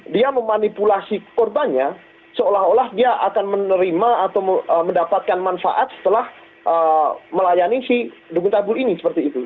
dia memanipulasi korbannya seolah olah dia akan menerima atau mendapatkan manfaat setelah melayani si dumun tabul ini seperti itu